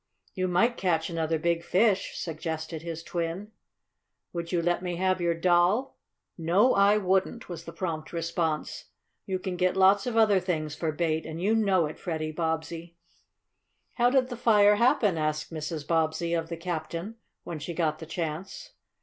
"You might catch another big fish," suggested his twin. "Would you let me have your doll?" "No, I wouldn't!" was the prompt response. "You can get lots of other things for bait, and you know it, Freddie Bobbsey!" "How did the fire happen?" asked Mrs. Bobbsey of the captain, when she got the chance.